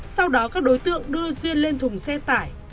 sau đó các đối tượng đưa duyên lên thùng xe tải